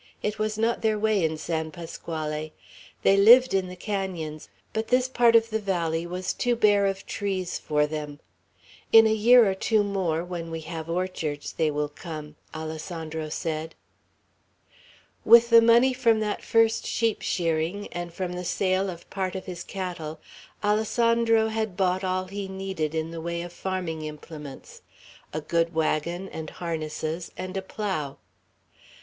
It was not their way in San Pasquale. They lived in the canons, but this part of the valley was too bare of trees for them. "In a year or two more, when we have orchards, they will come," Alessandro said. With the money from that first sheep shearing, and from the sale of part of his cattle, Alessandro had bought all he needed in the way of farming implements, a good wagon and harnesses, and a plough.